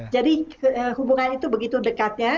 jadi hubungan itu begitu dekatnya